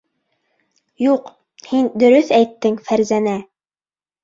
Юҡ, һин дөрөҫ әйттең, Фәрзәнә.